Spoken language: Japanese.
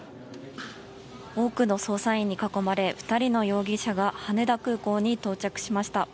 多くの捜査員に囲まれ２人の容疑者が羽田空港に到着しました。